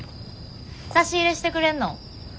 差し入れしてくれんの？